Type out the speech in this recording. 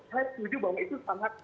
saya setuju bahwa itu sangat